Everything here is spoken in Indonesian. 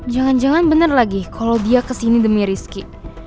jangan jangan bener lagi kalo dia kesini demi rizky